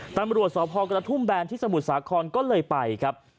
ตำรวจสพกระทุ่มแบนที่สมุทรสาครก็เลยไปครับ